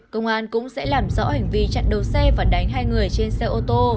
công an cũng sẽ làm rõ hành vi chặn đầu xe và đánh hai người trên xe ô tô